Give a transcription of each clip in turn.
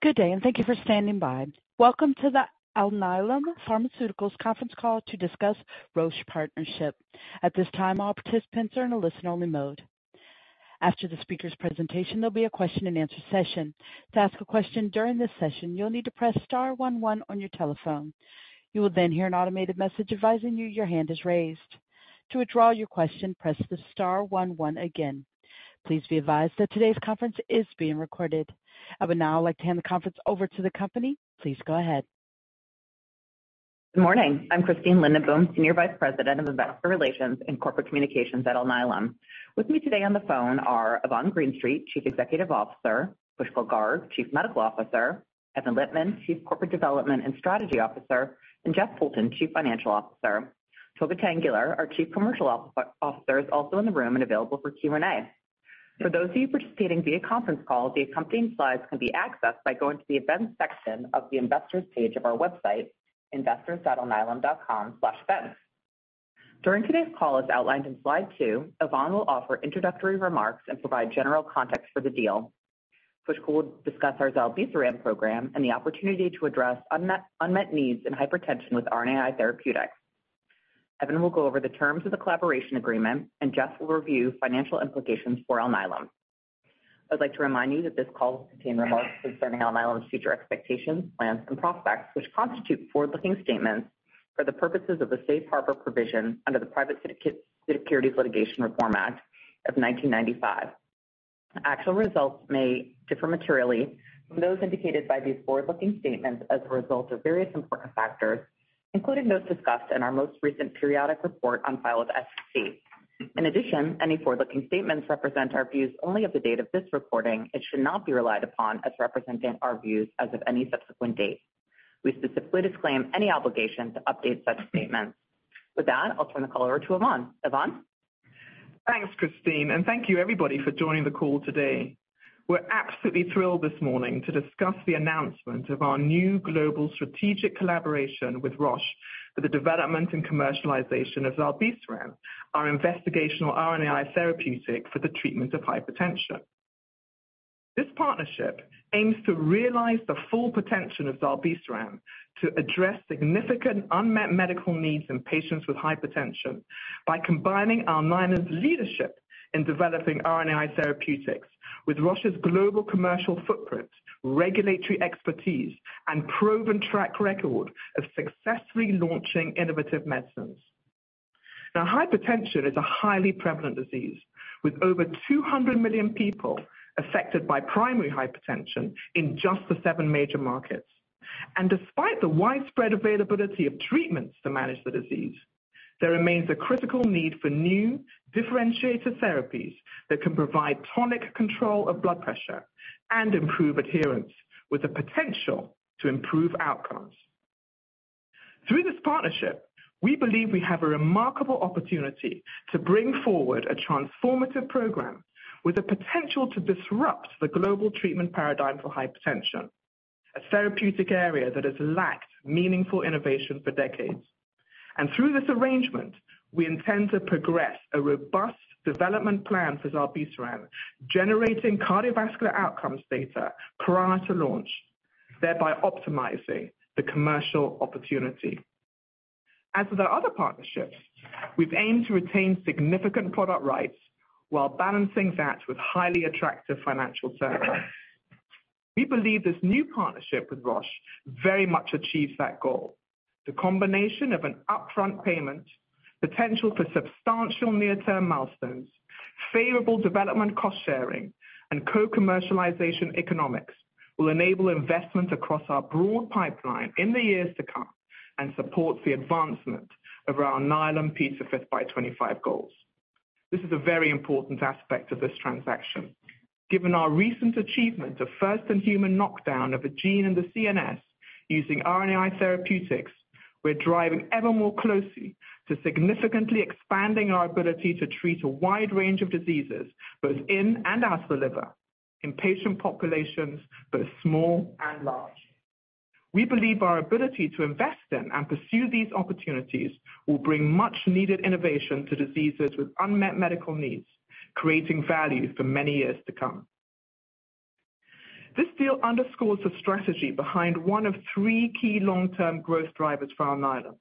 Good day, and thank you for standing by. Welcome to the Alnylam Pharmaceuticals Conference Call to discuss Roche Partnership. At this time, all participants are in a listen-only mode. After the speaker's presentation, there'll be a question-and-answer session. To ask a question during this session, you'll need to press star one one on your telephone. You will then hear an automated message advising you your hand is raised. To withdraw your question, press the star one one again. Please be advised that today's conference is being recorded. I would now like to hand the conference over to the company. Please go ahead. Good morning. I'm Christine Lindenboom, Senior Vice President of Investor Relations and Corporate Communications at Alnylam. With me today on the phone are Yvonne Greenstreet, Chief Executive Officer; Pushkal Garg, Chief Medical Officer; Evan Lippman, Chief Corporate Development and Strategy Officer; and Jeff Poulton, Chief Financial Officer. Tolga Tanguler, our Chief Commercial Officer, is also in the room and available for Q&A. For those of you participating via conference call, the accompanying slides can be accessed by going to the Events section of the Investors page of our website, investors.alnylam.com/events. During today's call, as outlined in slide two, Yvonne will offer introductory remarks and provide general context for the deal. Pushkal will discuss our zilebesiran program and the opportunity to address unmet needs in hypertension with RNAi Therapeutics. Evan will go over the terms of the collaboration agreement, and Jeff will review financial implications for Alnylam. I would like to remind you that this call will contain remarks concerning Alnylam's future expectations, plans, and prospects, which constitute forward-looking statements for the purposes of the Safe Harbor Provision under the Private Securities Litigation Reform Act of 1995. Actual results may differ materially from those indicated by these forward-looking statements as a result of various important factors, including those discussed in our most recent periodic report on file with SEC. In addition, any forward-looking statements represent our views only at the date of this recording and should not be relied upon as representing our views as of any subsequent date. We specifically disclaim any obligation to update such statements. With that, I'll turn the call over to Yvonne. Yvonne? Thanks, Christine. Thank you, everybody, for joining the call today. We're absolutely thrilled this morning to discuss the announcement of our new global strategic collaboration with Roche for the development and commercialization of zilebesiran, our investigational RNAi therapeutic for the treatment of hypertension. This partnership aims to realize the full potential of zilebesiran to address significant unmet medical needs in patients with hypertension by combining Alnylam's leadership in developing RNAi therapeutics with Roche's global commercial footprint, regulatory expertise, and proven track record of successfully launching innovative medicines. Hypertension is a highly prevalent disease, with over 200 million people affected by primary hypertension in just the seven major markets. Despite the widespread availability of treatments to manage the disease, there remains a critical need for new differentiated therapies that can provide tonic control of blood pressure and improve adherence with the potential to improve outcomes. Through this partnership, we believe we have a remarkable opportunity to bring forward a transformative program with the potential to disrupt the global treatment paradigm for hypertension, a therapeutic area that has lacked meaningful innovation for decades. Through this arrangement, we intend to progress a robust development plan for zilebesiran, generating cardiovascular outcomes data prior to launch, thereby optimizing the commercial opportunity. As with our other partnerships, we've aimed to retain significant product rights while balancing that with highly attractive financial terms. We believe this new partnership with Roche very much achieves that goal. The combination of an upfront payment, potential for substantial near-term milestones, favorable development cost-sharing, and co-commercialization economics will enable investment across our broad pipeline in the years to come and supports the advancement of our Alnylam P5x25 goals. This is a very important aspect of this transaction. Given our recent achievement of first-in-human knockdown of a gene in the CNS using RNAi therapeutics, we're driving ever more closely to significantly expanding our ability to treat a wide range of diseases, both in and out the liver, in patient populations, both small and large. We believe our ability to invest in and pursue these opportunities will bring much-needed innovation to diseases with unmet medical needs, creating value for many years to come. This deal underscores the strategy behind one of three key long-term growth drivers for Alnylam,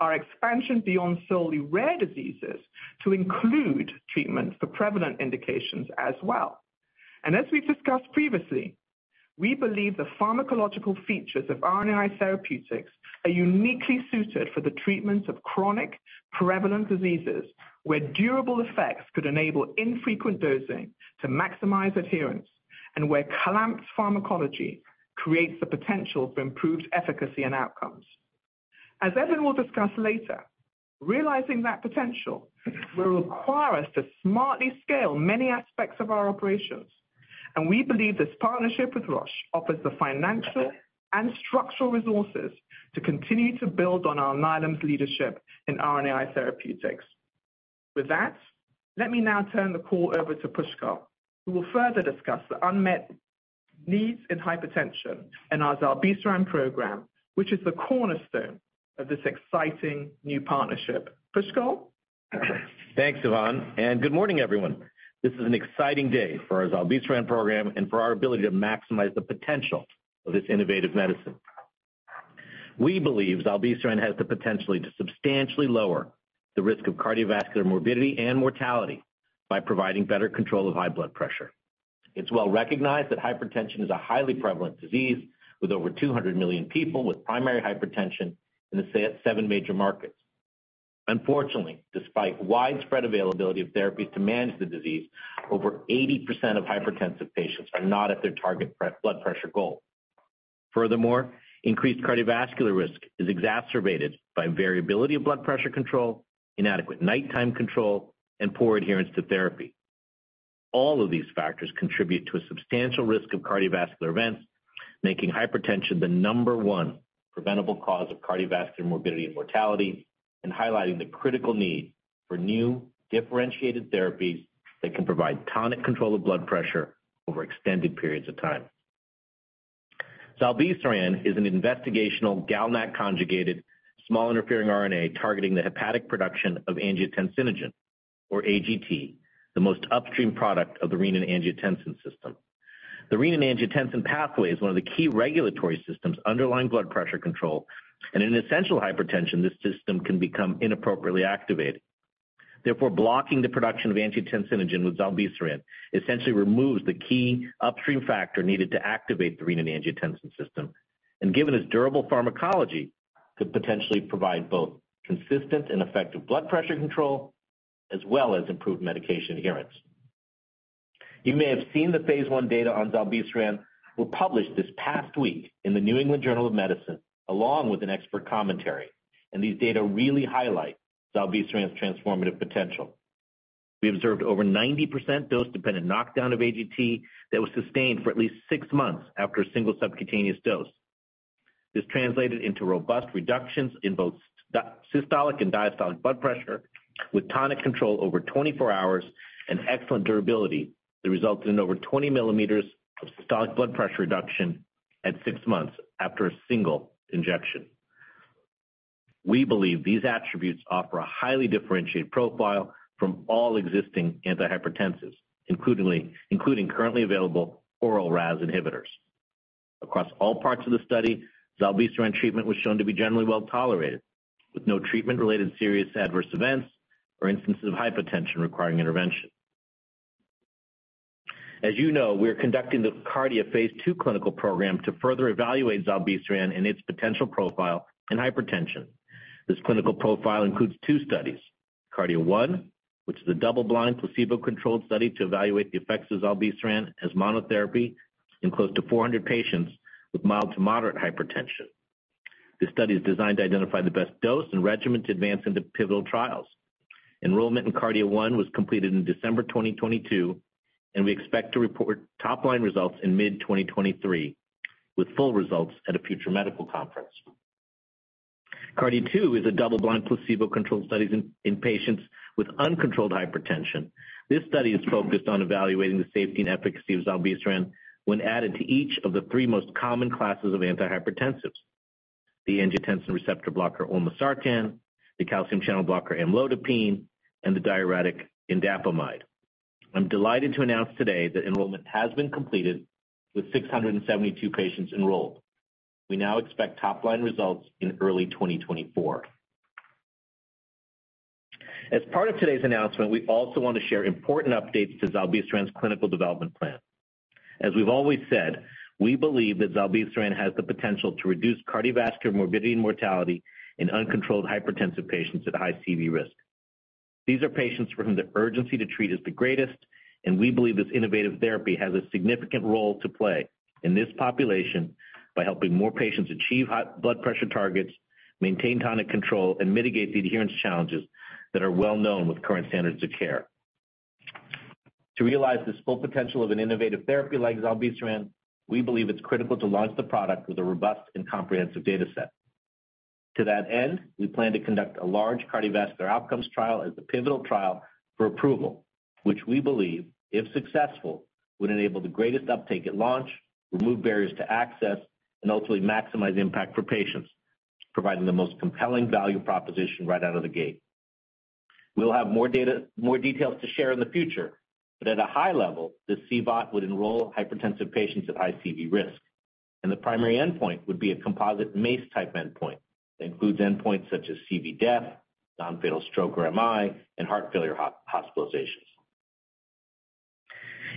our expansion beyond solely rare diseases to include treatments for prevalent indications as well. As we've discussed previously, we believe the pharmacological features of RNAi therapeutics are uniquely suited for the treatments of chronic, prevalent diseases, where durable effects could enable infrequent dosing to maximize adherence and where clamped pharmacology creates the potential for improved efficacy and outcomes. As Evan will discuss later, realizing that potential will require us to smartly scale many aspects of our operations, and we believe this partnership with Roche offers the financial and structural resources to continue to build on Alnylam's leadership in RNAi therapeutics. With that, let me now turn the call over to Pushkal, who will further discuss the unmet needs in hypertension and our zilebesiran program, which is the cornerstone of this exciting new partnership. Pushkal? Thanks, Yvonne. Good morning, everyone. This is an exciting day for our zilebesiran program and for our ability to maximize the potential of this innovative medicine. We believe zilebesiran has the potential to substantially lower the risk of cardiovascular morbidity and mortality by providing better control of high blood pressure. It's well recognized that hypertension is a highly prevalent disease, with over 200 million people with primary hypertension in the seven major markets. Unfortunately, despite widespread availability of therapies to manage the disease, over 80% of hypertensive patients are not at their target pre-blood pressure goal. Furthermore, increased cardiovascular risk is exacerbated by variability of blood pressure control, inadequate nighttime control, and poor adherence to therapy. All of these factors contribute to a substantial risk of cardiovascular events, making hypertension the number one preventable cause of cardiovascular morbidity and mortality, and highlighting the critical need for new, differentiated therapies that can provide tonic control of blood pressure over extended periods of time. Zilebesiran is an investigational GalNAc conjugated, small interfering RNA targeting the hepatic production of angiotensinogen, or AGT, the most upstream product of the renin-angiotensin system. The renin-angiotensin pathway is one of the key regulatory systems underlying blood pressure control, and in essential hypertension, this system can become inappropriately activated. Therefore, blocking the production of angiotensinogen with zilebesiran essentially removes the key upstream factor needed to activate the renin-angiotensin system, and given its durable pharmacology, could potentially provide both consistent and effective blood pressure control, as well as improved medication adherence. You may have seen the phase 1 data on zilebesiran were published this past week in the New England Journal of Medicine, along with an expert commentary. These data really highlight zilebesiran's transformative potential. We observed over 90% dose-dependent knockdown of AGT that was sustained for at least six months after a single subcutaneous dose. This translated into robust reductions in both systolic and diastolic blood pressue, with tonic control over 24 hours and excellent durability that resulted in over 20 millimeters of systolic blood pressure reduction at six months after a single injection. We believe these attributes offer a highly differentiated profile from all existing antihypertensives, including currently available oral RAS inhibitors. Across all parts of the study, zilebesiran treatment was shown to be generally well-tolerated, with no treatment-related serious adverse events or instances of hypotension requiring intervention. As you know, we are conducting the KARDIA Phase 2 clinical program to further evaluate zilebesiran and its potential profile in hypertension. This clinical profile includes two studies: KARDIA-1, which is a double-blind, placebo-controlled study to evaluate the effects of zilebesiran as monotherapy in close to 400 patients with mild to moderate hypertension. This study is designed to identify the best dose and regimen to advance into pivotal trials. Enrollment in KARDIA-1 was completed in December 2022, and we expect to report top-line results in mid-2023, with full results at a future medical conference. KARDIA-2 is a double-blind, placebo-controlled study in patients with uncontrolled hypertension. This study is focused on evaluating the safety and efficacy of zilebesiran when added to each of the three most common classes of antihypertensives: the angiotensin receptor blocker olmesartan, the calcium channel blocker amlodipine, and the diuretic indapamide. I'm delighted to announce today that enrollment has been completed with 672 patients enrolled. We now expect top-line results in early 2024. Part of today's announcement, we also want to share important updates to zilebesiran's clinical development plan. We've always said, we believe that zilebesiran has the potential to reduce cardiovascular morbidity and mortality in uncontrolled hypertensive patients at high CV risk. These are patients for whom the urgency to treat is the greatest, we believe this innovative therapy has a significant role to play in this population by helping more patients achieve high blood pressure targets, maintain tonic control, and mitigate the adherence challenges that are well known with current standards of care. To realize this full potential of an innovative therapy like zilebesiran, we believe it's critical to launch the product with a robust and comprehensive data set. To that end, we plan to conduct a large cardiovascular outcomes trial as the pivotal trial for approval, which we believe, if successful, would enable the greatest uptake at launch, remove barriers to access, and ultimately maximize impact for patients, providing the most compelling value proposition right out of the gate. We'll have more details to share in the future, but at a high level, this CVOT would enroll hypertensive patients at high CV risk, and the primary endpoint would be a composite MACE-type endpoint that includes endpoints such as CV death, non-fatal stroke or MI, and heart failure hospitalizations.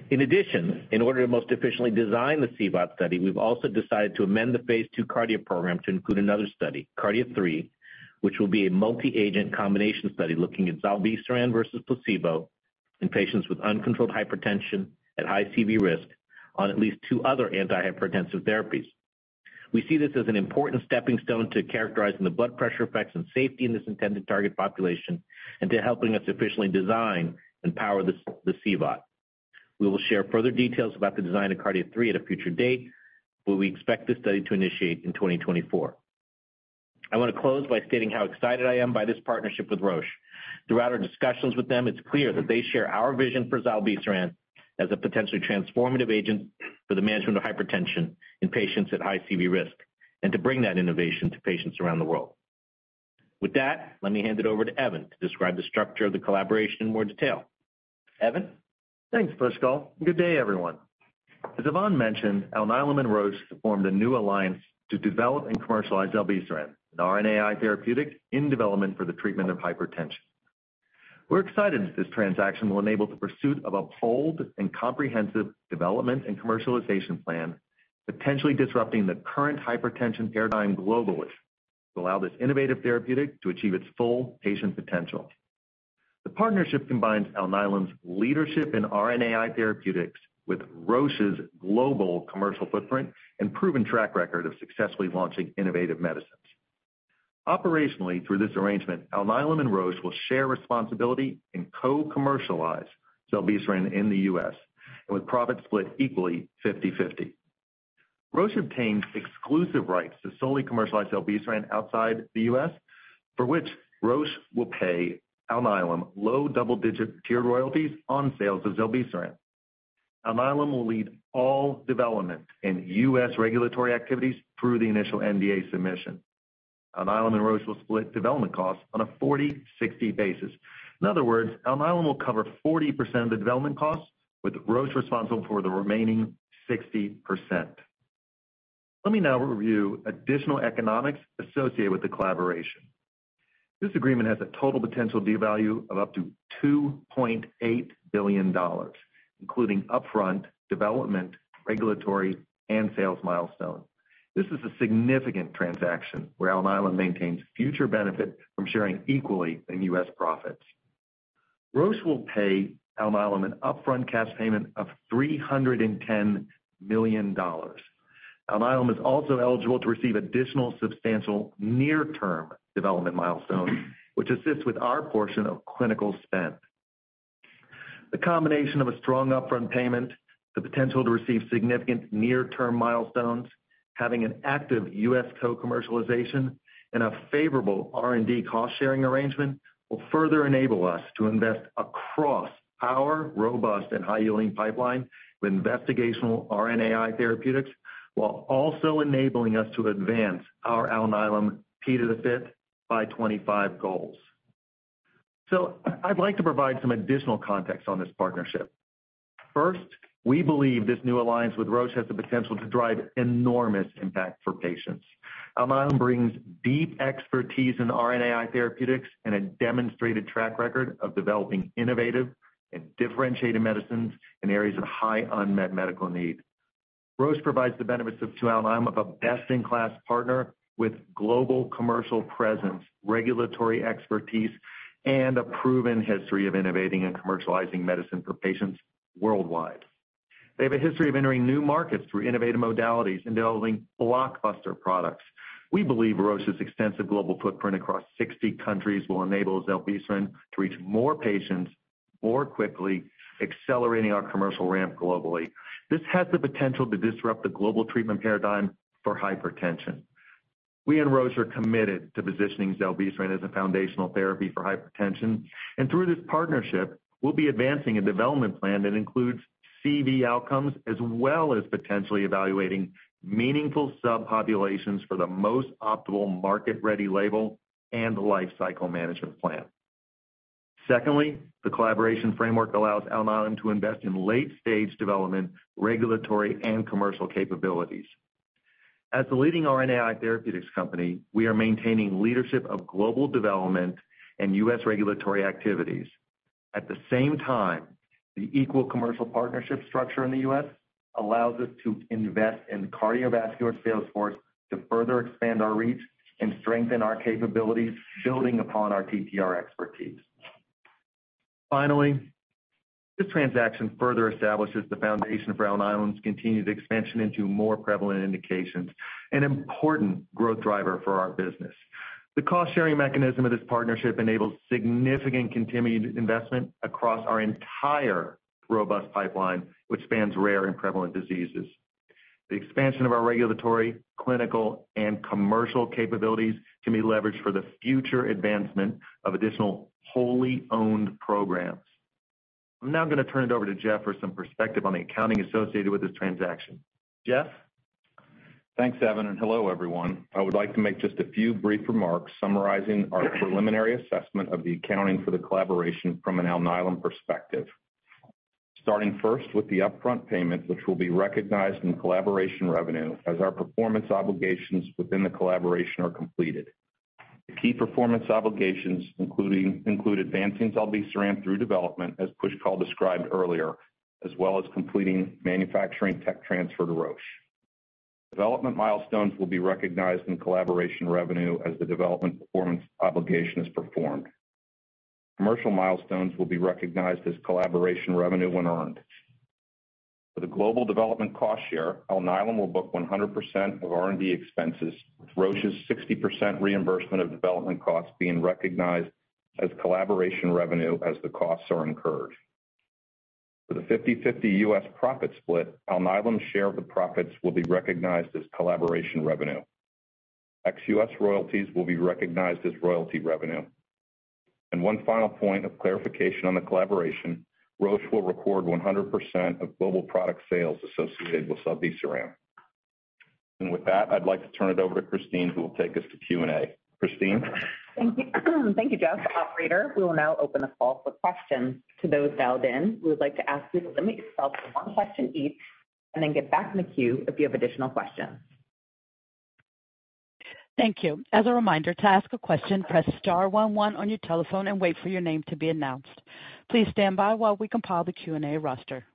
In addition, in order to most efficiently design the CVOT study, we've also decided to amend the Phase 2 KARDIA program to include another study, KARDIA-3, which will be a multi-agent combination study looking at zilebesiran versus placebo in patients with uncontrolled hypertension at high CV risk on at least two other antihypertensive therapies. We see this as an important stepping stone to characterizing the blood pressure effects and safety in this intended target population and to helping us efficiently design and power the CVOT. We will share further details about the design of KARDIA-3 at a future date, but we expect this study to initiate in 2024. I want to close by stating how excited I am by this partnership with Roche. Throughout our discussions with them, it's clear that they share our vision for zilebesiran as a potentially transformative agent. For the management of hypertension in patients at high CV risk, and to bring that innovation to patients around the world. With that, let me hand it over to Evan to describe the structure of the collaboration in more detail. Evan? Thanks, Pushkal, good day, everyone. As Yvonne mentioned, Alnylam and Roche have formed a new alliance to develop and commercialize zilebesiran, an RNAi therapeutic in development for the treatment of hypertension. We're excited that this transaction will enable the pursuit of a bold and comprehensive development and commercialization plan, potentially disrupting the current hypertension paradigm globally, to allow this innovative therapeutic to achieve its full patient potential. The partnership combines Alnylam's leadership in RNAi therapeutics with Roche's global commercial footprint and proven track record of successfully launching innovative medicines. Operationally, through this arrangement, Alnylam and Roche will share responsibility and co-commercialize zilebesiran in the U.S., and with profits split equally 50/50. Roche obtains exclusive rights to solely commercialize zilebesiran outside the U.S., for which Roche will pay Alnylam low double-digit tier royalties on sales of zilebesiran. Alnylam will lead all development in U.S. regulatory activities through the initial NDA submission. Alnylam and Roche will split development costs on a 40-60 basis. In other words, Alnylam will cover 40% of the development costs, with Roche responsible for the remaining 60%. Let me now review additional economics associated with the collaboration. This agreement has a total potential value of up to $2.8 billion, including upfront, development, regulatory, and sales milestones. This is a significant transaction where Alnylam maintains future benefit from sharing equally in U.S. profits. Roche will pay Alnylam an upfront cash payment of $310 million. Alnylam is also eligible to receive additional substantial near-term development milestones, which assists with our portion of clinical spend. The combination of a strong upfront payment, the potential to receive significant near-term milestones, having an active U.S. co-commercialization, and a favorable R&D cost-sharing arrangement will further enable us to invest across our robust and high-yielding pipeline of investigational RNAi therapeutics, while also enabling us to advance our Alnylam P5x25 goals. I'd like to provide some additional context on this partnership. First, we believe this new alliance with Roche has the potential to drive enormous impact for patients. Alnylam brings deep expertise in RNAi therapeutics and a demonstrated track record of developing innovative and differentiated medicines in areas of high unmet medical need. Roche provides the benefits to Alnylam of a best-in-class partner with global commercial presence, regulatory expertise, and a proven history of innovating and commercializing medicine for patients worldwide. They have a history of entering new markets through innovative modalities and developing blockbuster products. We believe Roche's extensive global footprint across 60 countries will enable zilebesiran to reach more patients, more quickly, accelerating our commercial ramp globally. This has the potential to disrupt the global treatment paradigm for hypertension. We and Roche are committed to positioning zilebesiran as a foundational therapy for hypertension, and through this partnership, we'll be advancing a development plan that includes CV outcomes, as well as potentially evaluating meaningful subpopulations for the most optimal market-ready label and life cycle management plan. Secondly, the collaboration framework allows Alnylam to invest in late-stage development, regulatory, and commercial capabilities. As the leading RNAi therapeutics company, we are maintaining leadership of global development and U.S. regulatory activities. At the same time, the equal commercial partnership structure in the U.S. allows us to invest in cardiovascular sales force to further expand our reach and strengthen our capabilities, building upon our RNAi expertise. Finally, this transaction further establishes the foundation for Alnylam's continued expansion into more prevalent indications, an important growth driver for our business. The cost-sharing mechanism of this partnership enables significant continued investment across our entire robust pipeline, which spans rare and prevalent diseases. The expansion of our regulatory, clinical, and commercial capabilities can be leveraged for the future advancement of additional wholly owned programs. I'm now going to turn it over to Jeff for some perspective on the accounting associated with this transaction. Jeff? Thanks, Evan. Hello, everyone. I would like to make just a few brief remarks summarizing our preliminary assessment of the accounting for the collaboration from an Alnylam perspective. Starting first with the upfront payment, which will be recognized in collaboration revenue as our performance obligations within the collaboration are completed. The key performance obligations include advancing zilebesiran through development, as Pushkal described earlier, as well as completing manufacturing tech transfer to Roche. Development milestones will be recognized in collaboration revenue as the development performance obligation is performed. Commercial milestones will be recognized as collaboration revenue when earned. For the global development cost share, Alnylam will book 100% of R&D expenses, with Roche's 60% reimbursement of development costs being recognized as collaboration revenue as the costs are incurred. For the 50/50 U.S. profit split, Alnylam's share of the profits will be recognized as collaboration revenue. Ex-US royalties will be recognized as royalty revenue. One final point of clarification on the collaboration, Roche will record 100% of global product sales associated with zilebesiran. With that, I'd like to turn it over to Christine, who will take us to Q&A. Christine? Thank you. Thank you, Jeff. Operator, we will now open the call for questions. To those dialed in, we would like to ask you to limit yourself to one question each, and then get back in the queue if you have additional questions. Thank you. As a reminder, to ask a question, press star one one on your telephone and wait for your name to be announced. Please stand by while we compile the Q&A roster.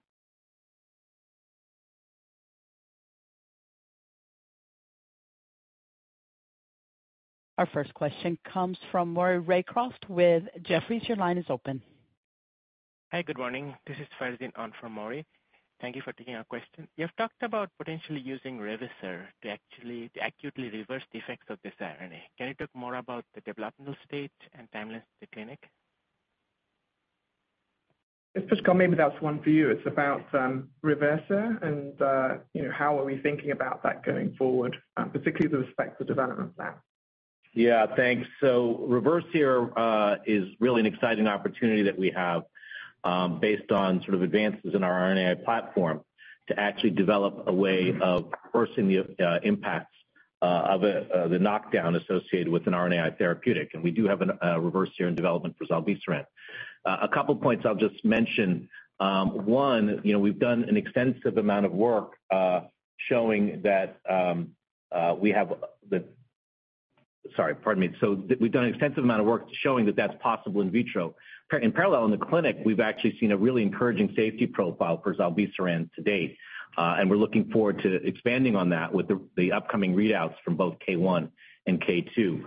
Our first question comes from Maury Raycroft with Jefferies. Your line is open. Hi, good morning. This is Farzin on from Maury. Thank you for taking our question. You have talked about potentially using REVERSIR to actually, to acutely reverse the effects of this RNA. Can you talk more about the developmental state and timelines to clinic? Just maybe that's one for you. It's about REVERSIR and, you know, how are we thinking about that going forward, particularly with respect to development plan? Yeah, thanks. REVERSIR is really an exciting opportunity that we have, based on sort of advances in our RNAi platform, to actually develop a way of reversing the impacts of the knockdown associated with an RNAi therapeutic. We do have an REVERSIR in development for zilebesiran. A couple points I'll just mention. We've done an extensive amount of work showing that that's possible in vitro. In parallel, in the clinic, we've actually seen a really encouraging safety profile for zilebesiran to date, and we're looking forward to expanding on that with the upcoming readouts from both KARDIA-1 and KARDIA-2.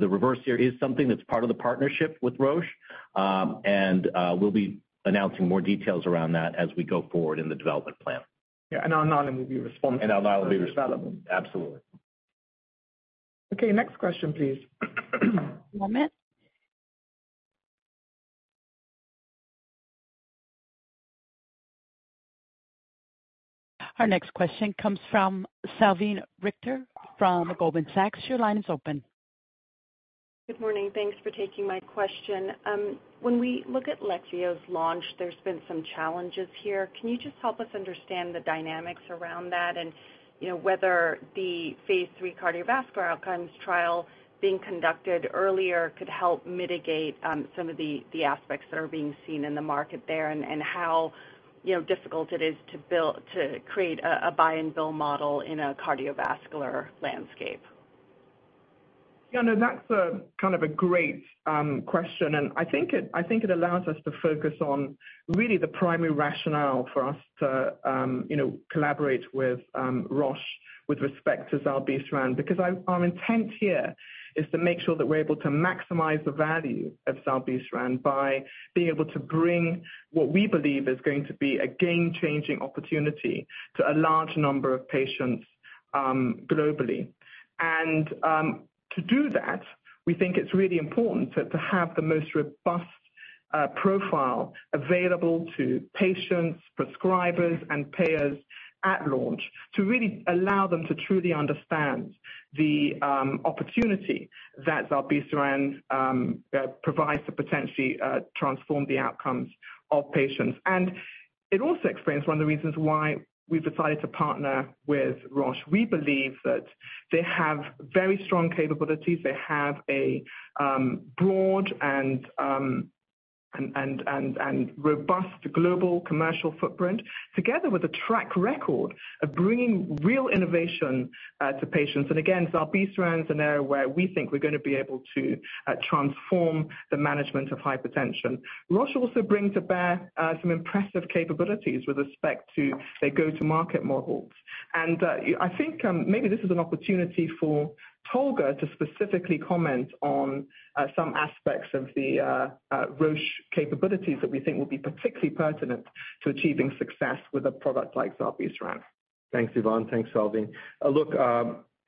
The REVERSIR is something that's part of the partnership with Roche, we'll be announcing more details around that as we go forward in the development plan. Yeah, Evan will be responding. Evan will be responding. Absolutely. Okay, next question, please. One moment. Our next question comes from Salveen Richter from Goldman Sachs. Your line is open. Good morning. Thanks for taking my question. When we look at Leqvio's launch, there's been some challenges here. Can you just help us understand the dynamics around that, and, you know, whether the phase three cardiovascular outcomes trial being conducted earlier could help mitigate some of the aspects that are being seen in the market there, and how, you know, difficult it is to create a buy and bill model in a cardiovascular landscape? Yeah, no, that's a kind of a great question, and I think it, I think it allows us to focus on really the primary rationale for us to, you know, collaborate with Roche with respect to zilebesiran, because our intent here is to make sure that we're able to maximize the value of zilebesiran by being able to bring what we believe is going to be a game-changing opportunity to a large number of patients globally. To do that, we think it's really important to have the most robust profile available to patients, prescribers and payers at launch, to really allow them to truly understand the opportunity that zilebesiran provides to potentially transform the outcomes of patients. It also explains one of the reasons why we've decided to partner with Roche. We believe that they have very strong capabilities. They have a broad and robust global commercial footprint, together with a track record of bringing real innovation to patients. again, zilebesiran is an area where we think we're gonna be able to transform the management of hypertension. Roche also brings to bear some impressive capabilities with respect to their go-to-market models. I think maybe this is an opportunity for Tolga to specifically comment on some aspects of the Roche capabilities that we think will be particularly pertinent to achieving success with a product like zilebesiran. Thanks, Yvonne. Thanks, Salveen.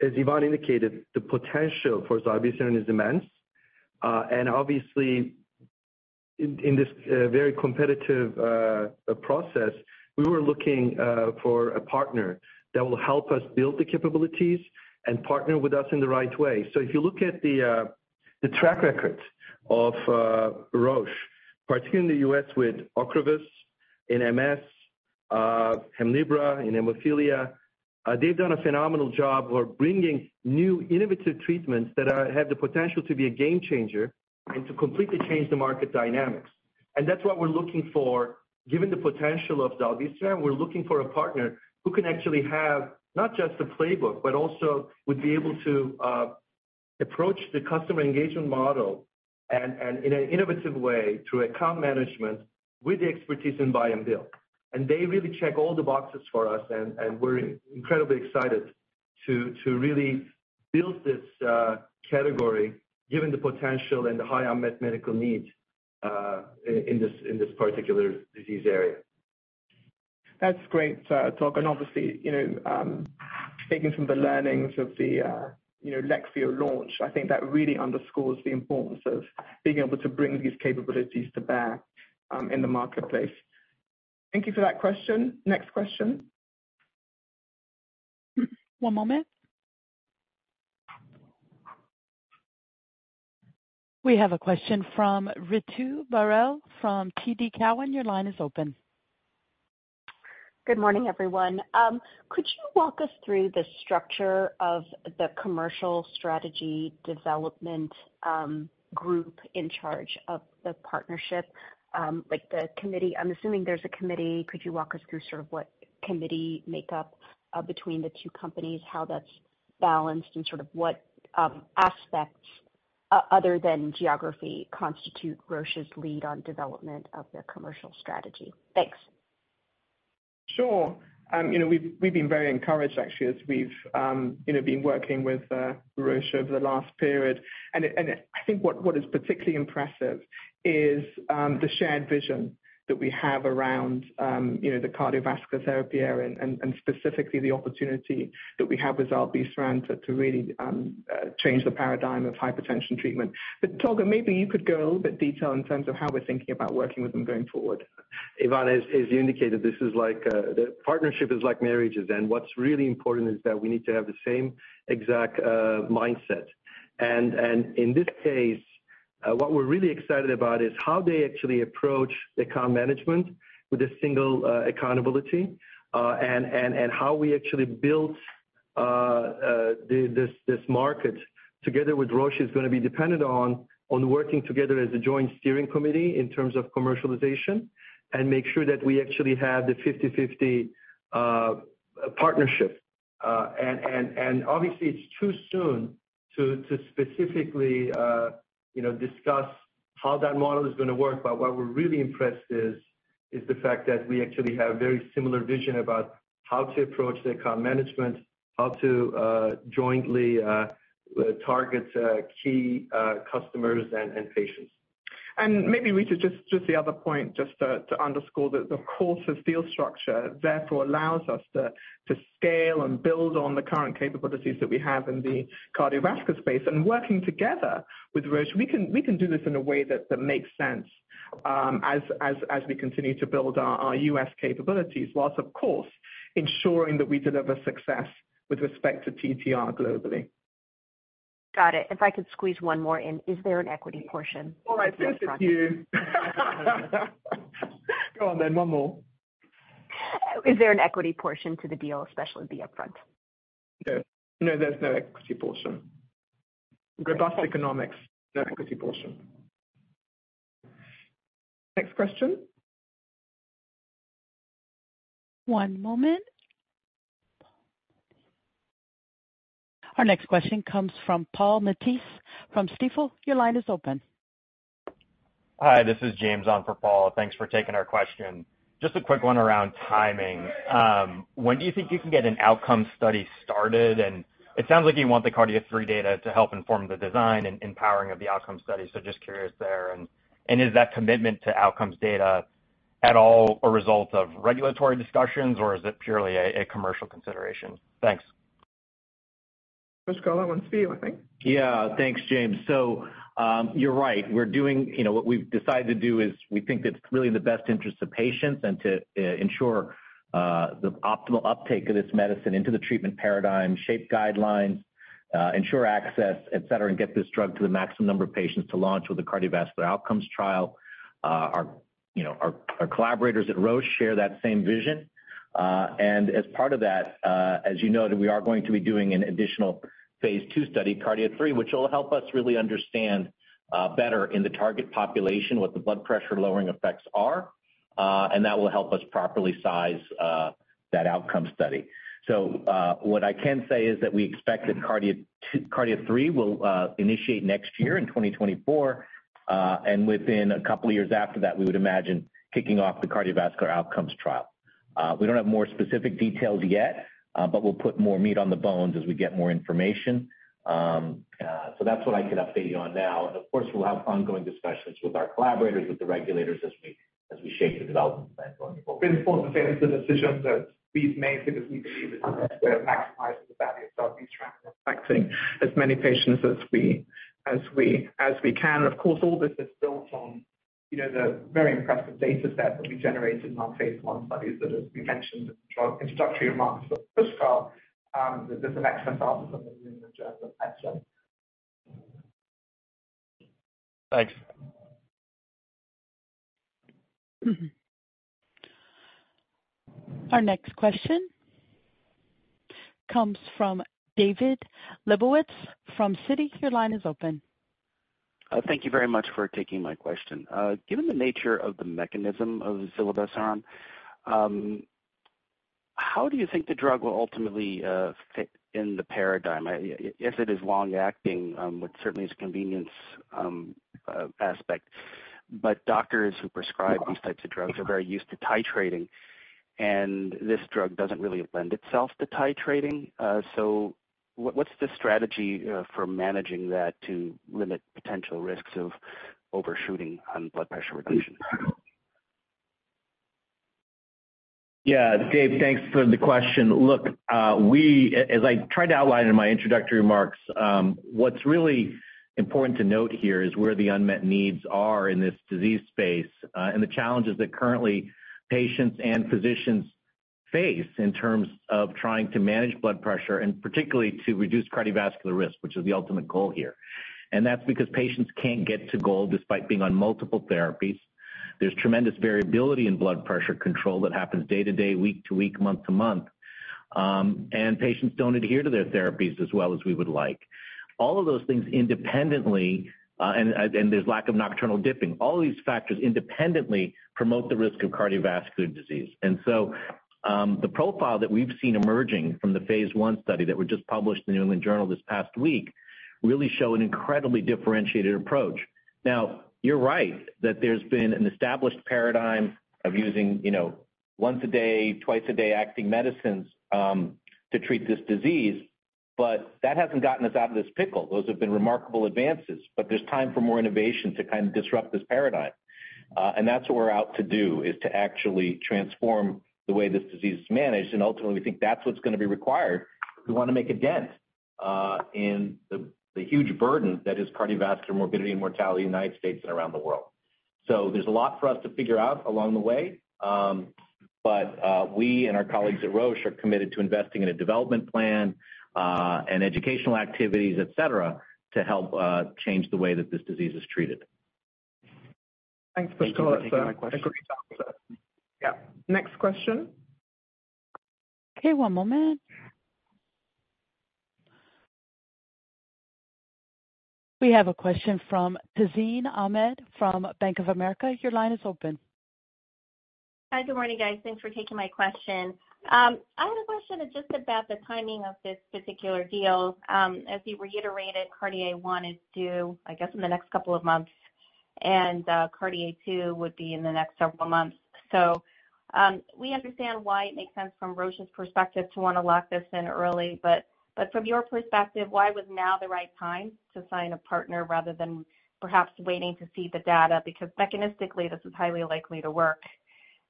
As Yvonne indicated, the potential for zilebesiran is immense. Obviously, in this very competitive process, we were looking for a partner that will help us build the capabilities and partner with us in the right way. If you look at the track record of Roche, particularly in the U.S. with OCREVUS in MS, HEMLIBRA in hemophilia, they've done a phenomenal job of bringing new innovative treatments that have the potential to be a game changer and to completely change the market dynamics. That's what we're looking for given the potential of zilebesiran, we're looking for a partner who can actually have not just the playbook, but also would be able to approach the customer engagement model and in an innovative way, through account management with the expertise in buy and build. They really check all the boxes for us, and we're incredibly excited to really build this category, given the potential and the high unmet medical needs in this particular disease area. That's great, Tolga. Obviously, you know, taking from the learnings of the, you know, Leqvio launch, I think that really underscores the importance of being able to bring these capabilities to bear in the marketplace. Thank you for that question. Next question? One moment. We have a question from Ritu Baral from TD Cowen. Your line is open. Good morning, everyone. Could you walk us through the structure of the commercial strategy development group in charge of the partnership? Like the committee, I'm assuming there's a committee. Could you walk us through sort of what committee makeup between the two companies, how that's balanced, and sort of what aspects, other than geography, constitute Roche's lead on development of their commercial strategy? Thanks. Sure. you know, we've been very encouraged, actually, as we've, you know, been working with Roche over the last period. I think what is particularly impressive is the shared vision that we have you know, the cardiovascular therapy area and specifically the opportunity that we have with zilebesiran to really change the paradigm of hypertension treatment. Tolga, maybe you could go a little bit detail in terms of how we're thinking about working with them going forward? Yvonne, as you indicated, this is like, the partnership is like marriage, what's really important is that we need to have the same exact mindset. In this case, what we're really excited about is how they actually approach the account management with a single accountability. How we actually build the, this market together with Roche is gonna be dependent on working together as a joint steering committee in terms of commercialization, make sure that we actually have the 50/50 partnership. Obviously, it's too soon to specifically, you know, discuss how that model is going to work, but what we're really impressed is the fact that we actually have very similar vision about how to approach the account management, how to jointly target key customers and patients. Maybe, Ritu, just the other point, just to underscore, that the course of field structure therefore allows us to scale and build on the current capabilities that we have in the cardiovascular space. Working together with Roche, we can do this in a way that makes sense, as we continue to build our U.S. capabilities, whilst, of course, ensuring that we deliver success with respect to TTR globally. Got it. If I could squeeze one more in. Is there an equity portion? Go on then, one more. Is there an equity portion to the deal, especially the upfront? No. No, there's no equity portion. Robust economics, no equity portion. Next question? One moment. Our next question comes from Paul Matteis from Stifel. Your line is open. Hi, this is James on for Paul. Thanks for taking our question. Just a quick one around timing. When do you think you can get an outcome study started? It sounds like you want the KARDIA-3 data to help inform the design and powering of the outcome study, so just curious there. Is that commitment to outcomes data at all a result of regulatory discussions, or is it purely a commercial consideration? Thanks. Pushkal one to you, I think. Yeah. Thanks, James. You know, what we've decided to do is we think that it's really in the best interest of patients and to ensure the optimal uptake of this medicine into the treatment paradigm, shape guidelines, ensure access, et cetera, and get this drug to the maximum number of patients to launch with the cardiovascular outcomes trial. Our, you know, our collaborators at Roche share that same vision. And as part of that, as you noted, we are going to be doing an additional phase 2 study, KARDIA-3, which will help us really understand better in the target population, what the blood pressure lowering effects are, and that will help us properly size that outcome study. What I can say is that we expect that KARDIA-2. KARDIA-3 will initiate next year in 2024, and within a couple of years after that, we would imagine kicking off the cardiovascular outcomes trial. We don't have more specific details yet, but we'll put more meat on the bones as we get more information. That's what I can update you on now. We'll have ongoing discussions with our collaborators, with the regulators, as we shape the development plan going forward. It's important to say that the decisions that we've made because we believe it maximizes the value of our contract, affecting as many patients as we can. Of course, all this is built on, you know, the very impressive data set that we generated in our Phase 1 studies that as we mentioned in our introductory remarks of this call, there's an excess analysis in the Journal of Medicine. Thanks. Our next question comes from David Lebovitz from Citi. Your line is open. Thank you very much for taking my question. Given the nature of the mechanism of giredestrant, how do you think the drug will ultimately fit in the paradigm? Yes, it is long-acting, which certainly is a convenience aspect, but doctors who prescribe these types of drugs are very used to titrating, and this drug doesn't really lend itself to titrating. What's the strategy for managing that to limit potential risks of overshooting on blood pressure reduction? Yeah. Dave, thanks for the question. Look, as I tried to outline in my introductory remarks, what's really important to note here is where the unmet needs are in this disease space, and the challenges that currently patients and physicians face in terms of trying to manage blood pressure, and particularly to reduce cardiovascular risk, which is the ultimate goal here. That's because patients can't get to goal despite being on multiple therapies. There's tremendous variability in blood pressure control that happens day to day, week to week, month to month. Patients don't adhere to their therapies as well as we would like. All of those things independently, and there's lack of nocturnal dipping. All these factors independently promote the risk of cardiovascular disease. The profile that we've seen emerging from the phase 1 study that were just published in the New England Journal this past week, really show an incredibly differentiated approach. Now, you're right, that there's been an established paradigm of using, you know, once a day, twice a day acting medicines to treat this disease, but that hasn't gotten us out of this pickle. Those have been remarkable advances, there's time for more innovation to kind of disrupt this paradigm. That's what we're out to do, is to actually transform the way this disease is managed. Ultimately, we think that's what's going to be required if we want to make a dent in the huge burden that is cardiovascular morbidity and mortality in the United States and around the world. There's a lot for us to figure out along the way, but we and our colleagues at Roche are committed to investing in a development plan, and educational activities, et cetera, to help change the way that this disease is treated. Thanks, Pushkar. Thank you for taking my question. A great answer. Yeah. Next question. Okay, one moment. We have a question from Tazeen Ahmad, from Bank of America. Your line is open. Hi, good morning, guys. Thanks for taking my question. I had a question just about the timing of this particular deal. As you reiterated, KARDIA-1 is due, I guess, in the next couple of months, and KARDIA-2 would be in the next several months. We understand why it makes sense from Roche's perspective to want to lock this in early, but from your perspective, why was now the right time to sign a partner rather than perhaps waiting to see the data? Because mechanistically, this is highly likely to work.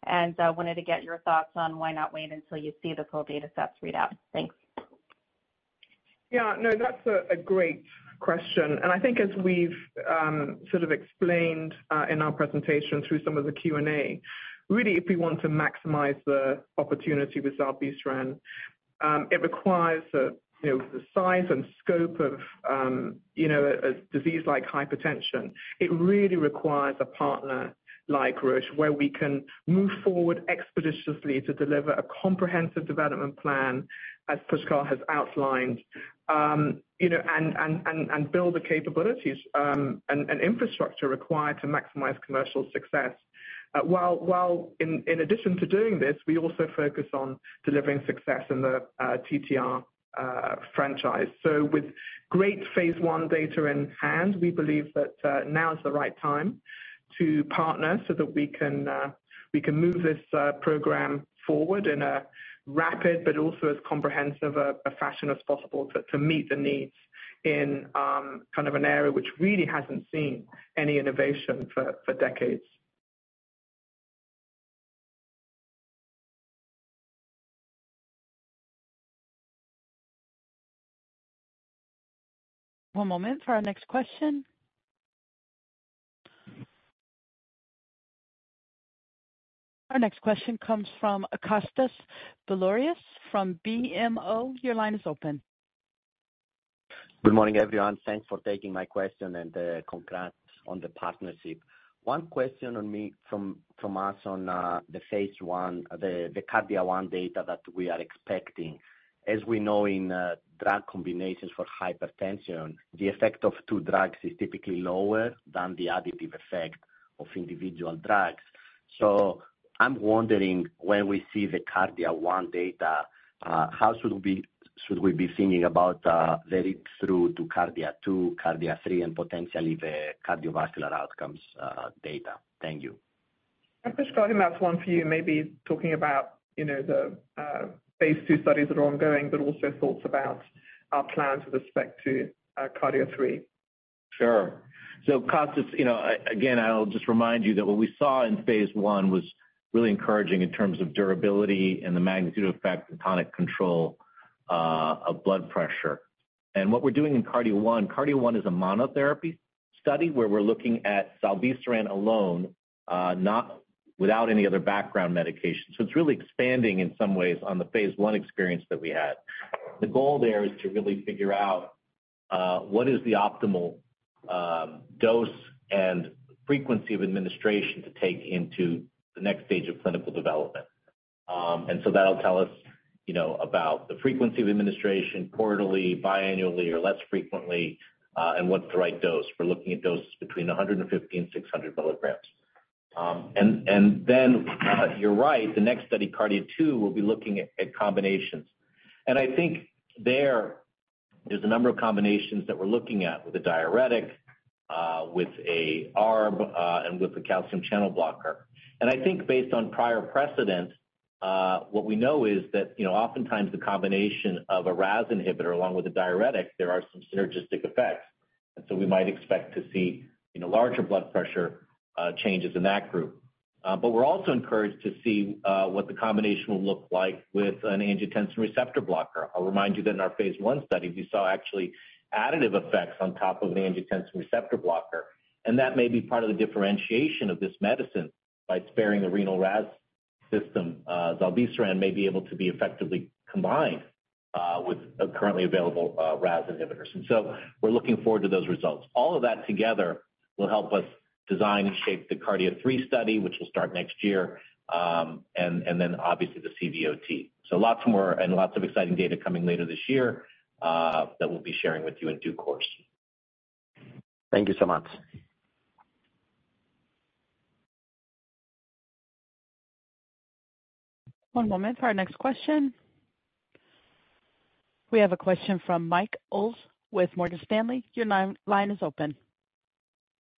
Wanted to get your thoughts on why not wait until you see the full data sets read out. Thanks. Yeah, no, that's a great question. I think as we've sort of explained in our presentation through some of the Q&A, really, if we want to maximize the opportunity with Salvestrant, it requires, you know, the size and scope of, you know, a disease like hypertension. It really requires a partner like Roche, where we can move forward expeditiously to deliver a comprehensive development plan, as Pushkar has outlined. You know, and build the capabilities and infrastructure required to maximize commercial success. While in addition to doing this, we also focus on delivering success in the TTR franchise. With great phase I data in hand, we believe that now is the right time to partner so that we can move this program forward in a rapid but also as comprehensive a fashion as possible to meet the needs in kind of an area which really hasn't seen any innovation for decades. One moment for our next question. Our next question comes from Kostas Biliouris from BMO. Your line is open. Good morning, everyone. Thanks for taking my question and congrats on the partnership. One question on me from us on the phase one, the KARDIA-1 data that we are expecting. As we know in drug combinations for hypertension, the effect of two drugs is typically lower than the additive effect of individual drugs. I'm wondering, when we see the KARDIA-1 data, how should we be thinking about read through to KARDIA-2, KARDIA-3, and potentially the cardiovascular outcomes data? Thank you. Pushkar, that's one for you, maybe talking about, you know, the phase 2 studies that are ongoing, but also thoughts about our plans with respect to KARDIA-3. Sure. Kostas, you know, again, I'll just remind you that what we saw in phase 1 was really encouraging in terms of durability and the magnitude effect, tonic control of blood pressure. What we're doing in KARDIA-1, KARDIA-1 is a monotherapy study, where we're looking at zilebesiran alone, without any other background medication. It's really expanding in some ways on the phase 1 experience that we had. The goal there is to really figure out what is the optimal dose and frequency of administration to take into the next stage of clinical development. That'll tell us, you know, about the frequency of administration, quarterly, biannually, or less frequently, and what's the right dose. We're looking at doses between 150 and 600 milligrams. You're right, the next study, KARDIA-2, we'll be looking at combinations. I think there is a number of combinations that we're looking at with a diuretic, with a ARB, and with a calcium channel blocker. I think based on prior precedent, what we know is that, you know, oftentimes the combination of a RAS inhibitor along with a diuretic, there are some synergistic effects. We might expect to see, you know, larger blood pressure changes in that group. But we're also encouraged to see what the combination will look like with an angiotensin receptor blocker. I'll remind you that in our phase 1 study, we saw actually additive effects on top of the angiotensin receptor blocker, and that may be part of the differentiation of this medicine by sparing the renal RAAS. system, zilebesiran may be able to be effectively combined with currently available RAAS inhibitors. We're looking forward to those results. All of that together will help us design and shape the KARDIA-3 study, which will start next year, and then obviously the CVOT. Lots more and lots of exciting data coming later this year, that we'll be sharing with you in due course. Thank you so much. One moment for our next question. We have a question from Michael Ulz with Morgan Stanley. Your line is open.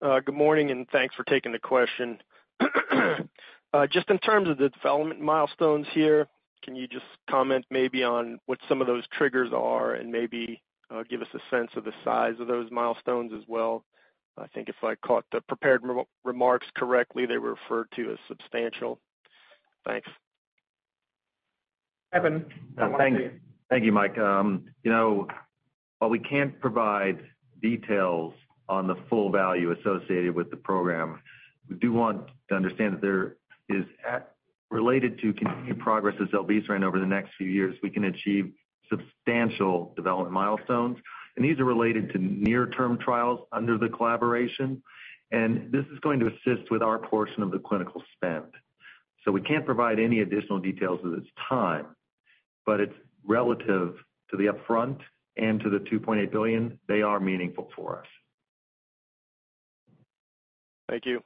Good morning, thanks for taking the question. Just in terms of the development milestones here, can you just comment maybe on what some of those triggers are, and maybe, give us a sense of the size of those milestones as well? I think if I caught the prepared remarks correctly, they were referred to as substantial. Thanks. Evan? Thank you, Mike. You know, while we can't provide details on the full value associated with the program, we do want to understand that there is related to continuing progress as well being seen over the next few years, we can achieve substantial development milestones, and these are related to near-term trials under the collaboration, and this is going to assist with our portion of the clinical spend. We can't provide any additional details at this time, but it's relative to the upfront and to the $2.8 billion, they are meaningful for us. Thank you.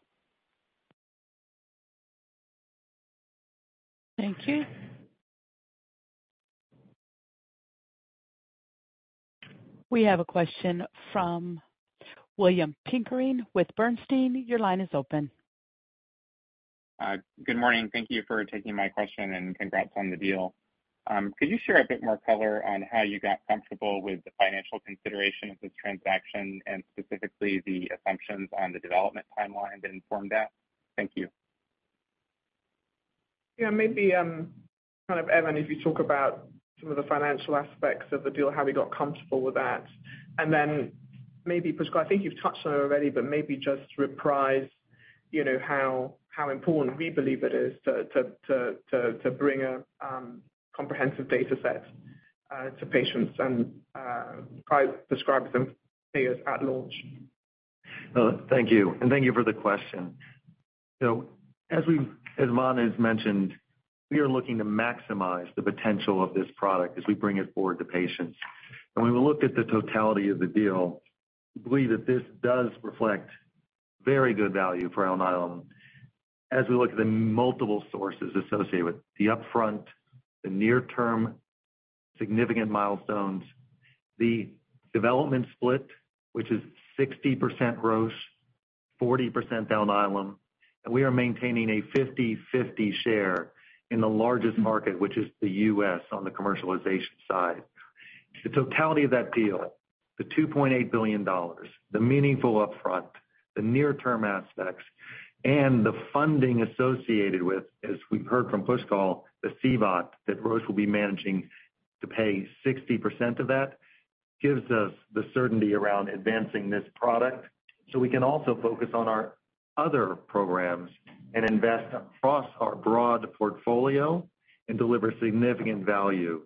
Thank you. We have a question from William Pickering with Bernstein. Your line is open. Good morning. Thank you for taking my question. Congrats on the deal. Could you share a bit more color on how you got comfortable with the financial consideration of this transaction, and specifically the assumptions on the development timeline that informed that? Thank you. Yeah, maybe, kind of, Evan, if you talk about some of the financial aspects of the deal, how we got comfortable with that. Then maybe, Pushkal, I think you've touched on it already, but maybe just reprise, you know, how important we believe it is to bring a comprehensive data set to patients and probably describe them payers at launch. Thank you, and thank you for the question. As Yvonne has mentioned, we are looking to maximize the potential of this product as we bring it forward to patients. When we look at the totality of the deal, we believe that this does reflect very good value for Alnylam. As we look at the multiple sources associated with the upfront, the near-term significant milestones, the development split, which is 60% gross, 40% Alnylam, and we are maintaining a 50/50 share in the largest market, which is the U.S., on the commercialization side. The totality of that deal, the $2.8 billion, the meaningful upfront, the near-term aspects, and the funding associated with, as we've heard from Pushkal, the CVOT, that Roche will be managing to pay 60% of that, gives us the certainty around advancing this product. We can also focus on our other programs and invest across our broad portfolio and deliver significant value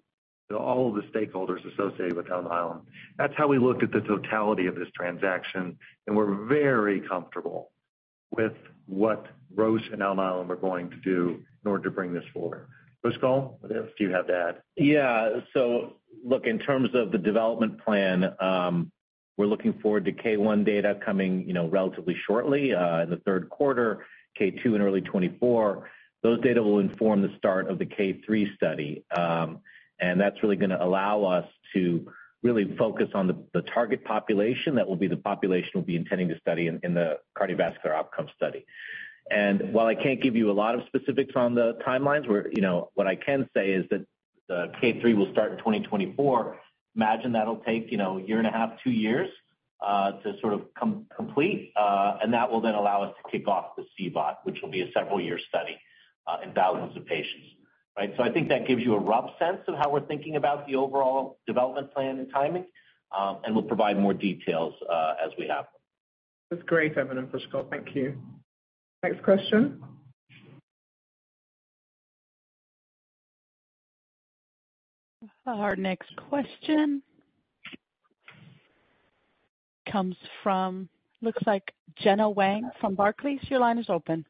to all of the stakeholders associated with Alnylam. That's how we looked at the totality of this transaction, and we're very comfortable with what Roche and Alnylam are going to do in order to bring this forward. Pushkal, do you have to add? Look, in terms of the development plan, we're looking forward to K-1 data coming, you know, relatively shortly, in the third quarter, K-2 in early 2024. Those data will inform the start of the K-3 study. That's really going to allow us to really focus on the target population. That will be the population we'll be intending to study in the cardiovascular outcome study. While I can't give you a lot of specifics on the timelines, you know, what I can say is that the K-3 will start in 2024. Imagine that'll take, you know, year and a half to two years to complete, and that will then allow us to kick off the CVOT, which will be a several-year study in thousands of patients. I think that gives you a rough sense of how we're thinking about the overall development plan and timing, and we'll provide more details as we have them. That's great, Evan and Pushkal. Thank you. Next question. Our next question comes from looks like Gena Wang from Barclays. Your line is open.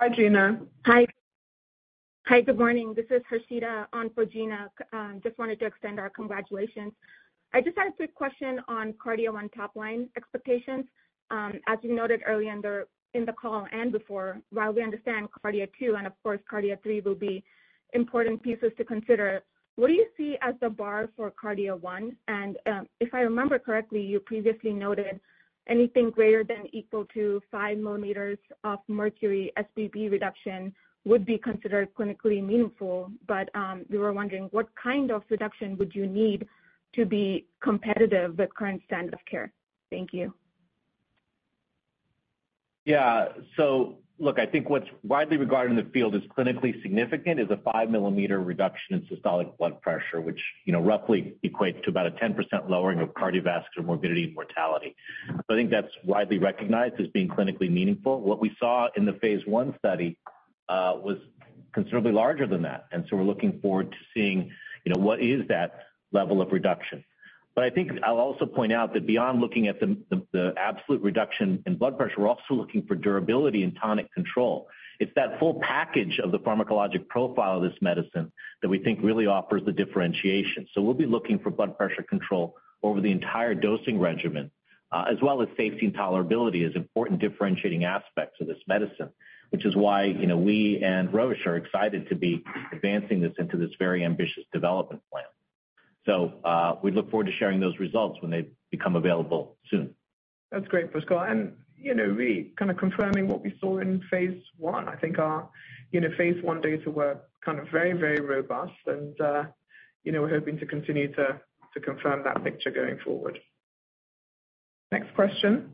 Hi, Gena. Hi. Hi, good morning. This is Hersita on for Gena. Just wanted to extend our congratulations. I just had a quick question on KARDIA on top line expectations. As you noted earlier in the, in the call and before, while we understand KARDIA 2 and of course, KARDIA 3 will be important pieces to consider, what do you see as the bar for KARDIA 1? If I remember correctly, you previously noted anything greater than equal to five millimeters of mercury SBP reduction would be considered clinically meaningful, but we were wondering, what kind of reduction would you need to be competitive with current standard of care? Thank you. Yeah. Look, I think what's widely regarded in the field as clinically significant is a five millimeter reduction in systolic blood pressure, which, you know, roughly equates to about a 10% lowering of cardiovascular morbidity and mortality. I think that's widely recognized as being clinically meaningful. What we saw in the phase 1 study was considerably larger than that. We're looking forward to seeing, you know, what is that level of reduction. I think I'll also point out that beyond looking at the absolute reduction in blood pressure, we're also looking for durability and tonic control. It's that full package of the pharmacologic profile of this medicine that we think really offers the differentiation. We'll be looking for blood pressure control over the entire dosing regimen, as well as safety and tolerability as important differentiating aspects of this medicine. You know, we and Roche are excited to be advancing this into this very ambitious development plan. We look forward to sharing those results when they become available soon. That's great, Pushkal. You know, we kind of confirming what we saw in phase 1. I think our, you know, phase 1 data were kind of very, very robust and, you know, we're hoping to continue to confirm that picture going forward. Next question?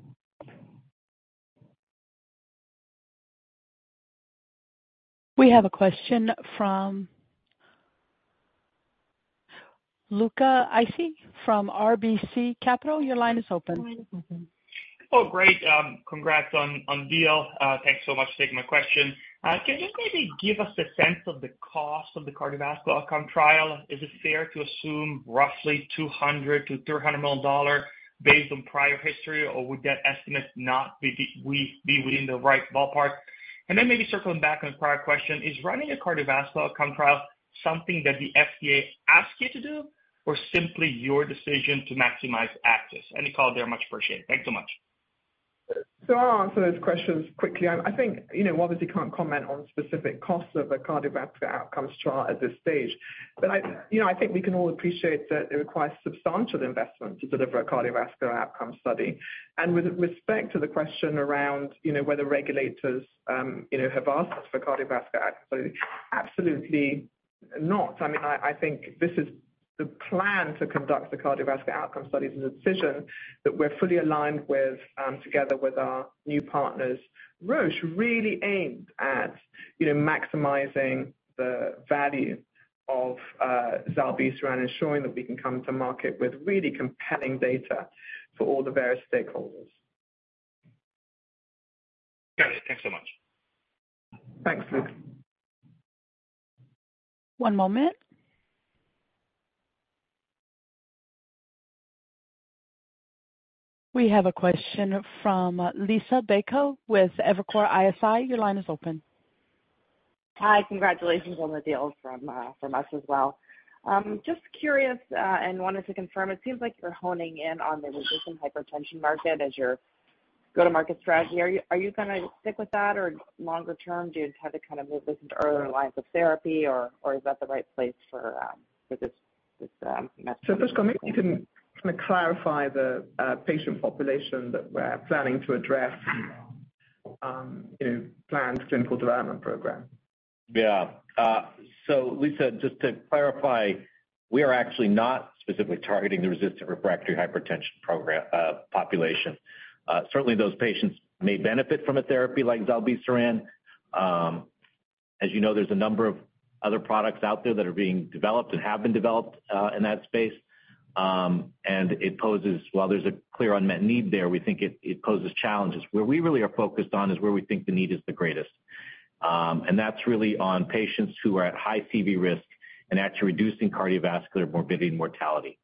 We have a question from Luca Issi from RBC Capital. Your line is open. Great, congrats on the deal. Thanks so much for taking my question. Can you maybe give us a sense of the cost of the cardiovascular outcome trial? Is it fair to assume roughly $200 million to $300 million based on prior history, or would that estimate not be within the right ballpark? Then maybe circling back on a prior question, is running a cardiovascular outcome trial something that the FDA asked you to do, or simply your decision to maximize access? Any call there much appreciated. Thanks so much. I'll answer those questions quickly. I think, you know, obviously, can't comment on specific costs of a cardiovascular outcomes trial at this stage. I, you know, I think we can all appreciate that it requires substantial investment to deliver a cardiovascular outcome study. With respect to the question around, you know, whether regulators, you know, have asked us for cardiovascular outcome, absolutely not. I mean, I think this is the plan to conduct the cardiovascular outcome study is a decision that we're fully aligned with, together with our new partners, Roche really aimed at, you know, maximizing the value of zilebesiran, ensuring that we can come to market with really compelling data for all the various stakeholders. Got it. Thanks so much. Thanks, Luca. One moment. We have a question from Liisa Bayko with Evercore ISI. Your line is open. Hi, congratulations on the deal from us as well. Just curious, and wanted to confirm, it seems like you're honing in on the resistant hypertension market as your go-to-market strategy. Are you gonna stick with that, or longer term, do you intend to kind of move this into earlier lines of therapy, or is that the right place for this method? Pushkal, maybe you can kind of clarify the patient population that we're planning to address in planned clinical development program. Liisa, just to clarify, we are actually not specifically targeting the resistant refractory hypertension program population. Certainly, those patients may benefit from a therapy like zilebesiran. As you know, there's a number of other products out there that are being developed and have been developed in that space. While there's a clear unmet need there, we think it poses challenges. Where we really are focused on is where we think the need is the greatest. That's really on patients who are at high CV risk and actually reducing cardiovascular morbidity and mortality.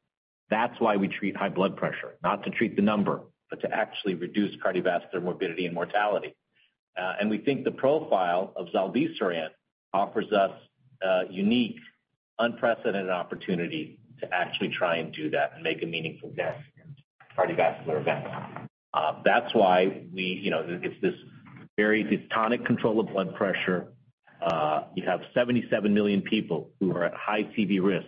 That's why we treat high blood pressure, not to treat the number, but to actually reduce cardiovascular morbidity and mortality. We think the profile of zilebesiran offers us a unique, unprecedented opportunity to actually try and do that and make a meaningful difference in cardiovascular events. That's why we, you know, it's this very tonic control of blood pressure. You have 77 million people who are at high CV risk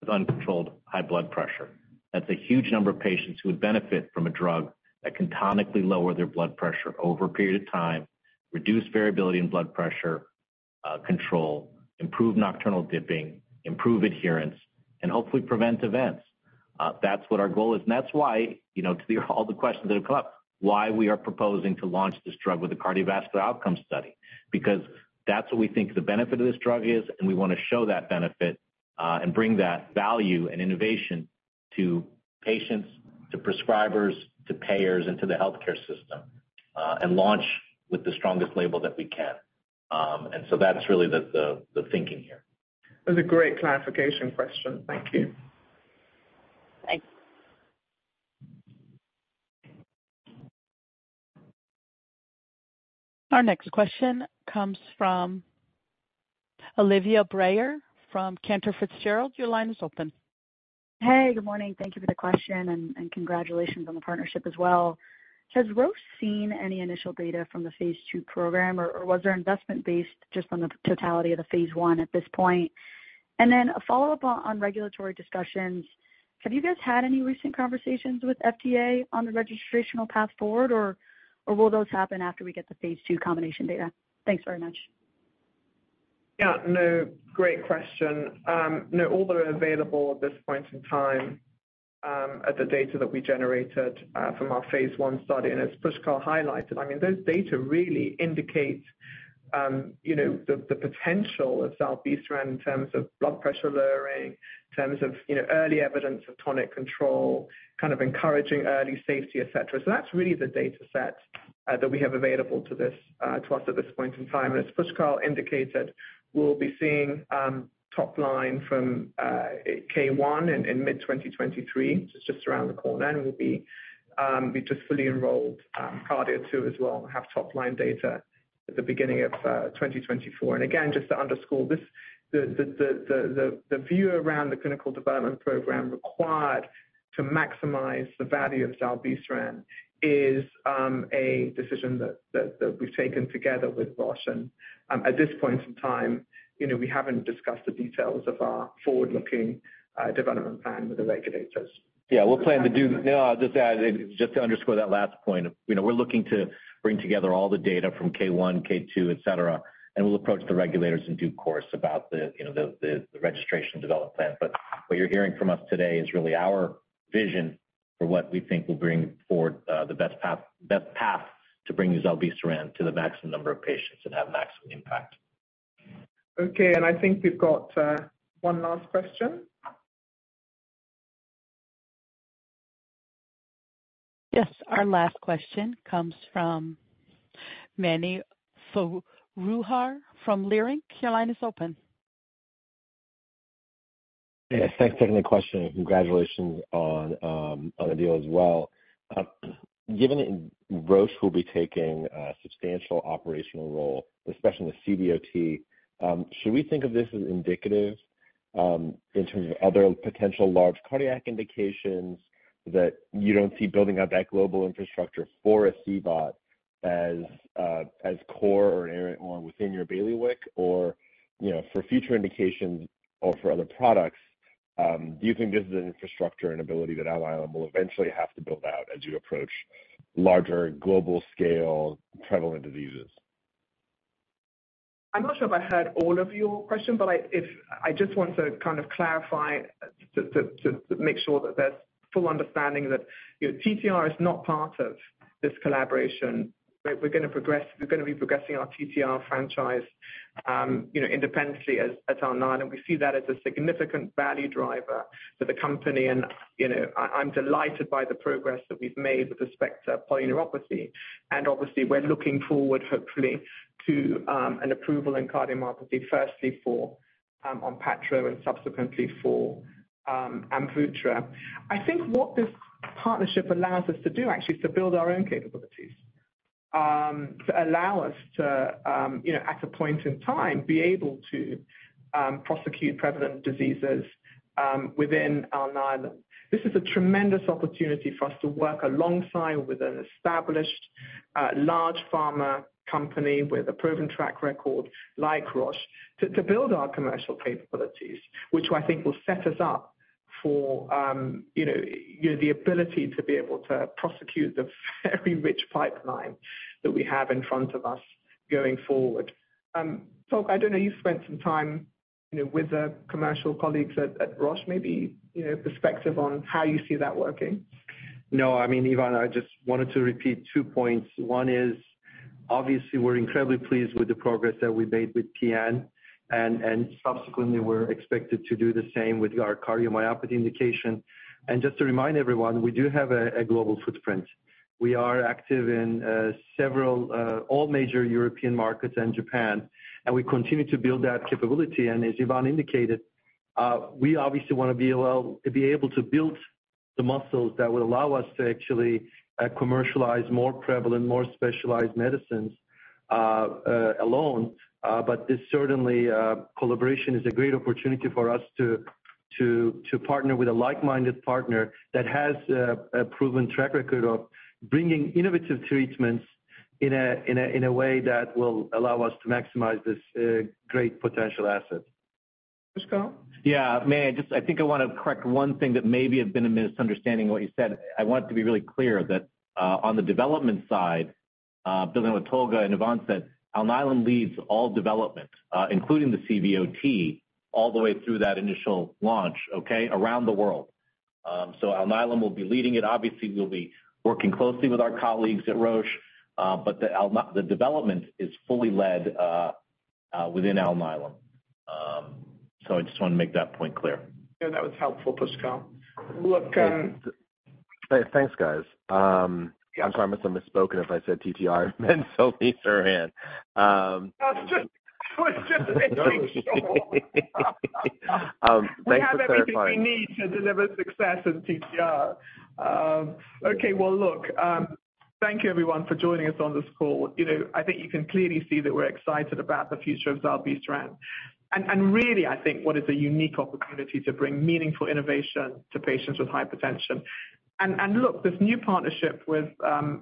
with uncontrolled high blood pressure. That's a huge number of patients who would benefit from a drug that can tonically lower their blood pressure over a period of time, reduce variability in blood pressure, control, improve nocturnal dipping, improve adherence, and hopefully prevent events. That's what our goal is. That's why, you know, to all the questions that have come up, why we are proposing to launch this drug with a cardiovascular outcome study. That's what we think the benefit of this drug is, and we wanna show that benefit, and bring that value and innovation to patients, to prescribers, to payers, and to the healthcare system, and launch with the strongest label that we can. That's really the thinking here. That's a great clarification question. Thank you. Thanks. Our next question comes from Olivia Brayer from Cantor Fitzgerald. Your line is open. Hey, good morning. Thank you for the question, congratulations on the partnership as well. Has Roche seen any initial data from the phase 2 program, or was their investment based just on the totality of the phase 1 at this point? Then a follow-up on regulatory discussions. Have you guys had any recent conversations with FDA on the registrational path forward, or will those happen after we get the phase 2 combination data? Thanks very much. Yeah, no, great question. No, all that are available at this point in time are the data that we generated from our Phase 1 study. As Pushkal highlighted, I mean, those data really indicate, you know, the potential of zilebesiran in terms of blood pressure lowering, in terms of, you know, early evidence of tonic control, kind of encouraging early safety, et cetera. That's really the data set that we have available to this to us at this point in time. As Pushkal indicated, we'll be seeing top line from KARDIA-1 in mid-2023. It's just around the corner, and we'll be, we've just fully enrolled KARDIA-2 as well, and have top line data at the beginning of 2024. Again, just to underscore this, the view around the clinical development program required to maximize the value of zilebesiran is a decision that we've taken together with Roche. At this point in time, you know, we haven't discussed the details of our forward-looking development plan with the regulators. Yeah, I'll just add, just to underscore that last point. You know, we're looking to bring together all the data from K-1, K-2, et cetera, we'll approach the regulators in due course about the, you know, the registration development plan. What you're hearing from us today is really our vision for what we think will bring forward the best path to bring this zilebesiran to the maximum number of patients and have maximum impact. Okay, I think we've got one last question. Yes, our last question comes from Mani Foroohar from Leerink. Your line is open. Yes, thanks for taking the question, and congratulations on on the deal as well. Given Roche will be taking a substantial operational role, especially in the CVOT, should we think of this as indicative in terms of other potential large cardiac indications, that you don't see building out that global infrastructure for a CVOT as core or within your bailiwick? You know, for future indications or for other products, do you think this is an infrastructure and ability that Alnylam will eventually have to build out as you approach larger global scale prevalent diseases? I'm not sure if I heard all of your question, but I just want to kind of clarify, to make sure that there's full understanding that, you know, TTR is not part of this collaboration, right? We're gonna progress, we're gonna be progressing our TTR franchise, you know, independently as Alnylam, and we see that as a significant value driver for the company. You know, I'm delighted by the progress that we've made with respect to polyneuropathy. Obviously, we're looking forward, hopefully, to an approval in cardiomyopathy, firstly, for Onpattro, and subsequently for Amvuttra. I think what this partnership allows us to do, actually, is to build our own capabilities, to allow us to, you know, at a point in time, be able to prosecute prevalent diseases within Alnylam. This is a tremendous opportunity for us to work alongside with an established, large pharma company with a proven track record like Roche, to build our commercial capabilities. Which I think will set us up for, you know, the ability to be able to prosecute the very rich pipeline that we have in front of us going forward. Tolga, I don't know, you've spent some time, you know, with the commercial colleagues at Roche, maybe, you know, perspective on how you see that working? No, I mean, Yvonne, I just wanted to repeat two points. One is, obviously, we're incredibly pleased with the progress that we made with PN, and subsequently, we're expected to do the same with our cardiomyopathy indication. Just to remind everyone, we do have a global footprint. We are active in several all major European markets and Japan, and we continue to build that capability. As Yvonne indicated, we obviously want to be able to build the muscles that will allow us to actually commercialize more prevalent, more specialized medicines alone. This certainly, collaboration is a great opportunity for us to partner with a like-minded partner that has a proven track record of bringing innovative treatments in a way that will allow us to maximize this great potential asset. Pushkal? Yeah, may I just, I think I want to correct one thing that maybe have been a misunderstanding what you said. I want to be really clear that on the development side, building what Tolga and Yvonne said, Alnylam leads all development, including the CVOT, all the way through that initial launch, okay? Around the world. Alnylam will be leading it. Obviously, we'll be working closely with our colleagues at Roche, but the development is fully led within Alnylam. I just want to make that point clear. Yeah, that was helpful, Pushkal. Look, Thanks, guys. I'm sorry if I misspoken, if I said TTR, and zilebesiran. I was just making sure. Thanks for clarifying. We have everything we need to deliver success in TTR. Okay, well, look, thank you everyone for joining us on this call. You know, I think you can clearly see that we're excited about the future of zilebesiran. Really, I think what is a unique opportunity to bring meaningful innovation to patients with hypertension. Look, this new partnership with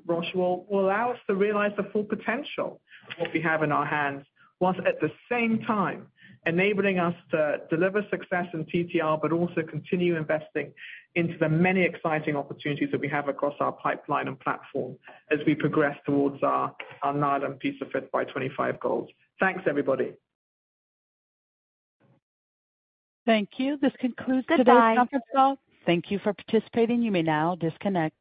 Roche will allow us to realize the full potential of what we have in our hands. Whilst at the same time, enabling us to deliver success in TTR, but also continue investing into the many exciting opportunities that we have across our pipeline and platform as we progress towards our Alnylam P5x25 goals. Thanks, everybody. Thank you. This concludes today's conference call. Thank you for participating. You may now disconnect.